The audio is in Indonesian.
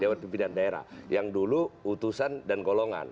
dewan pimpinan daerah yang dulu utusan dan golongan